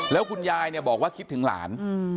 แล้วคุณยายเนี่ยบอกว่าคิดถึงหลาน